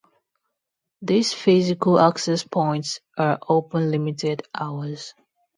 These physical access points are open limited hours.